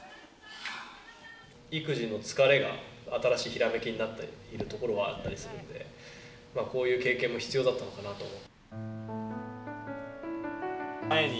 育児の疲れが、新しいひらめきになっているところはあるんでこういう経験も必要だったのかなと思う。